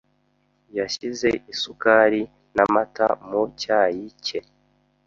Yashyize isukari n'amata mu cyayi cye.